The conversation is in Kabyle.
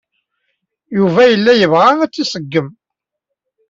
Yuba yella yebɣa ad tt-iṣeggem.